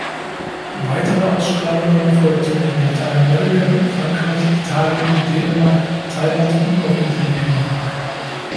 Weitere Ausstrahlungen folgten in Lateinamerika, Frankreich, Italien, Dänemark, Thailand und auf den Philippinen.